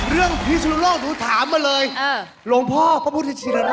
เรื่องพริกชุนุโร่งหนูถามมาเลยอ่ะหลวงพ่อพระพุทธชีวราชนี่